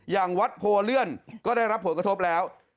อย่างวัดโพเลื่อนก็ได้รับผลกระทบแล้ว